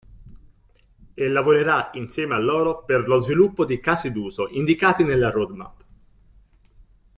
E lavorerà insieme a loro per lo sviluppo di casi d'uso indicati nella roadmap.